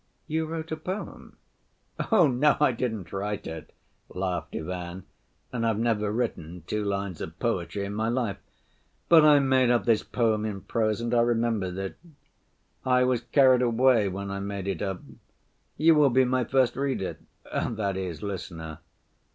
"You wrote a poem?" "Oh, no, I didn't write it," laughed Ivan, "and I've never written two lines of poetry in my life. But I made up this poem in prose and I remembered it. I was carried away when I made it up. You will be my first reader—that is listener.